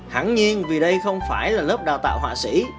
hẳn nhiên vì đây không phải là lớp đào tạo họa sĩ